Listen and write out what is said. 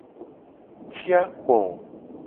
Ci akpo.